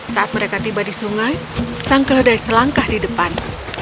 saat mereka tiba di sungai sang keledai selangkah di depan